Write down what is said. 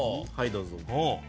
はいどうぞ。